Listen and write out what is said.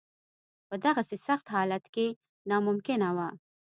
په دغسې سخت حالت کې ناممکنه وه.